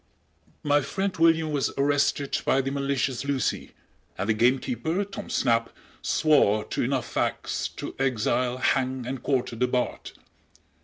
My friend William was arrested by the malicious Lucy, and the gamekeeper, Tom Snap, swore to enough facts to exile, hang and quarter the Bard.